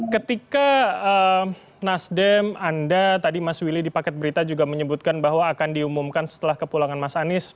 ketika nasdem anda tadi mas willy di paket berita juga menyebutkan bahwa akan diumumkan setelah kepulangan mas anies